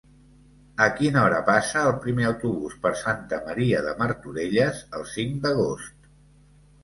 A quina hora passa el primer autobús per Santa Maria de Martorelles el cinc d'agost?